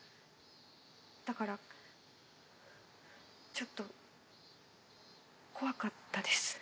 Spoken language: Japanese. だからちょっと怖かったです。